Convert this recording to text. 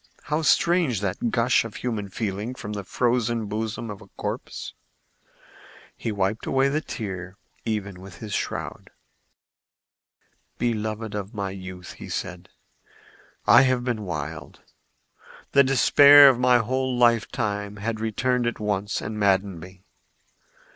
How strange that gush of human feeling from the frozen bosom of a corpse! He wiped away the tear, even with his shroud. "Beloved of my youth," said he, "I have been wild. The despair of my whole lifetime had returned at once and maddened me.